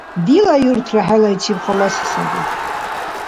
– Дила юртра хӀелайчиб халаси саби.